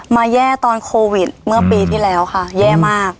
แย่ตอนโควิดเมื่อปีที่แล้วค่ะแย่มาก